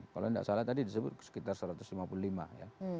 kalau tidak salah tadi disebut sekitar satu ratus lima puluh lima ya